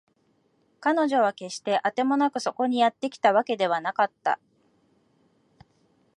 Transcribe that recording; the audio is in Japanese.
彼女は決してあてもなくそこにやってきたわけではなかった